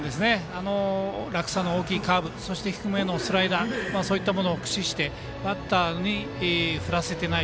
あの落差の大きいカーブそして低めへのスライダーも駆使してバッターに振らせていない。